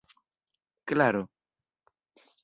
Klaro!